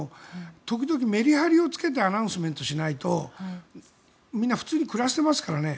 時々メリハリをつけてアナウンスメントしないとみんな普通に暮らしていますからね。